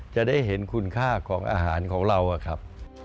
จะได้เห็นคุณค่าของอาหารของเราครับ